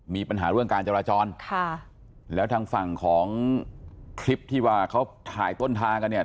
มีปัญหาเรื่องการจราจรค่ะแล้วทางฝั่งของคลิปที่ว่าเขาถ่ายต้นทางกันเนี่ย